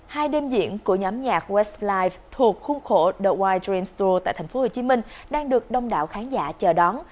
hai đêm diễn của nhóm nhạc westlife thuộc khung khổ the wild dreams tour tại tp hcm đang được đông đạo khán giả chờ đón